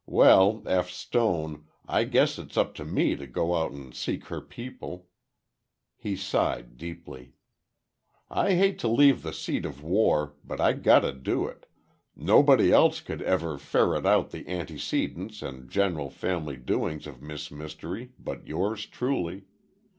Well, F. Stone, I guess it's up to me to go out and seek her people." He sighed deeply. "I hate to leave the seat of war, but I gotta do it. Nobody else could ever ferret out the antecedents and general family doings of Miss Mystery but Yours Truly.